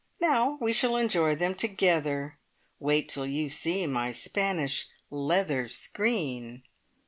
Now we shall enjoy them together! Wait till you see my Spanish leather screen!"